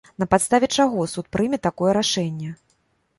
На падставе чаго суд прыме такое рашэнне?